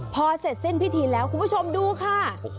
พอเสร็จสิ้นพิธีแล้วคุณผู้ชมดูค่ะ